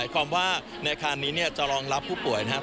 ความว่าในอาคารนี้จะรองรับผู้ป่วยนะครับ